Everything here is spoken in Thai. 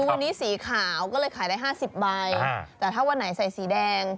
วันนี้สีขาวก็เลยขายได้๕๐ใบแต่ถ้าวันไหนใส่สีแดง